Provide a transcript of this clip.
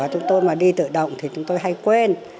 chúng tôi mà đi tự động thì chúng tôi hay quên